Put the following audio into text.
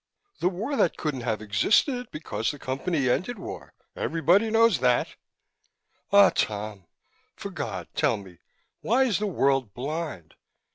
The war that couldn't have existed, because the Company ended war everybody knows that. Ah, Tom! For God, tell me, why is the world blind?